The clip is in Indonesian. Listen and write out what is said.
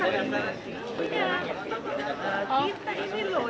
terima kasih terima kasih